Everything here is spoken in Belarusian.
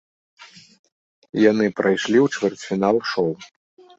Яны прайшлі ў чвэрцьфінал шоў.